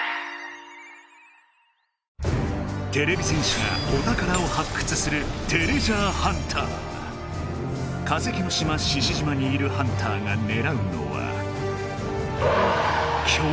てれび戦士がお宝を発掘する化石の島獅子島にいるハンターがねらうのは。